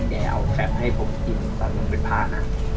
แกเอาแฟมให้ผมกินตอนผมเป็นผ้านะ